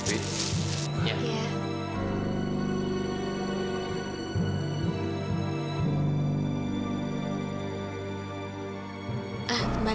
mbak lila makan sama sama yuk